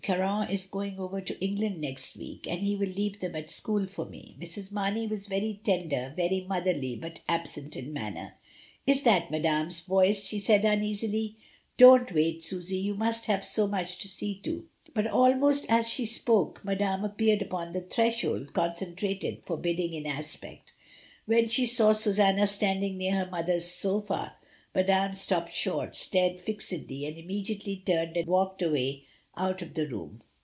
"Caron is going over to Eng land next week, and he will leave them at school for me." Mrs. Marney was very tender, very motherly, but absent in manner. "Is that Madame's voice?" she said uneasily. "Don't wait, Susy, you must have so much to see to." But almost as she spoke Madame appeared upon the threshold, concentrated, forbid ding in aspect. When she saw Susanna standing near her mother's sofa Madame stopped short, stared fixedly, and immediately turned and walked away out of the room.